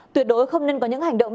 tuyệt đối không nên có những hành động